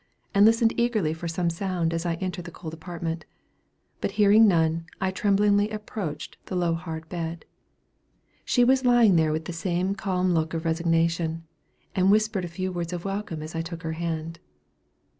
I listened eagerly for some sound as I entered the cold apartment; but hearing none, I tremblingly approached the low hard bed. She was lying there with the same calm look of resignation, and whispered a few words of welcome as I took her hand.